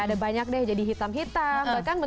cahaya istri kalian juga tahan